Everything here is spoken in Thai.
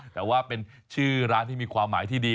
แต่ว่าเป็นชื่อร้านที่มีความหมายที่ดี